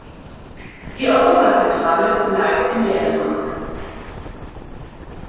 Die Europazentrale bleibt in Dänemark.